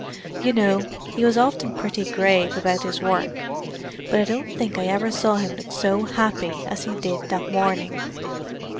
You know, he was often pretty grave about his work, but I don't think I ever saw him look so happy as he did that morning.